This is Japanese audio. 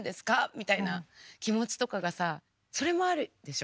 みたいな気持ちとかがさそれもあるでしょ？